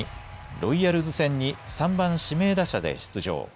ロイヤルズ戦に３番・指名打者で出場。